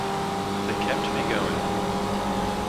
They kept me going.